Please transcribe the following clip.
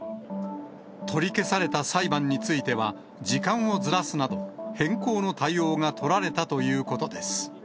取り消された裁判については、時間をずらすなど、変更の対応が取られたということです。